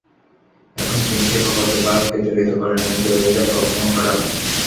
এখন চীন সেই প্রকল্পে ভারতকে জড়িত করে নিয়ে বিরোধিতার প্রশমন ঘটাল।